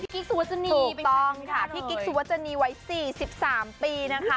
พี่กิ๊กสวจนีถูกต้องค่ะพี่กิ๊กสวจนีไว้สี่สิบสามปีนะคะ